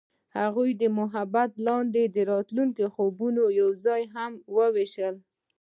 هغوی د محبت لاندې د راتلونکي خوبونه یوځای هم وویشل.